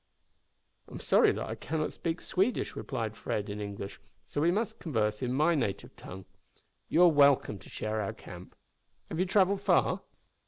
"I'm sorry that I cannot speak Swedish," replied Fred, in English; "so we must converse in my native tongue. You are welcome to share our camp. Have you travelled far?"